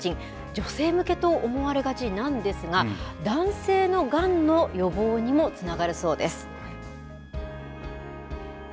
女性向けと思われがちなんですが、男性のがんの予防にもつながるそうです。